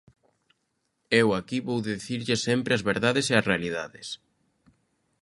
Eu aquí vou dicirlle sempre as verdades e as realidades.